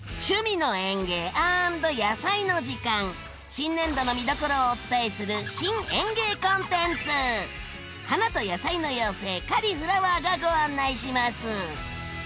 新年度の見どころをお伝えする花と野菜の妖精カリ・フラワーがご案内します！